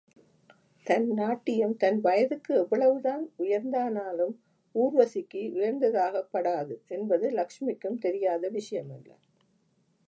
தன் நாட்டியம், தன் வயதுக்கு எவ்வளவுதான் உயர்ந்தானாலும், ஊர்வசிக்கு உயர்ந்ததாகப்படாது என்பது லக்ஷ்மிக்கும் தெரியாத விஷயமல்ல.